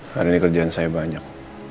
karena ini kerjaan saya banyak